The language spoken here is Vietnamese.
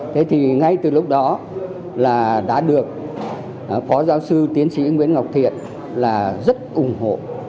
thế thì ngay từ lúc đó là đã được phó giáo sư tiến sĩ nguyễn ngọc thiện là rất ủng hộ